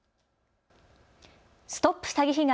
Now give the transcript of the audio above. ＳＴＯＰ詐欺被害！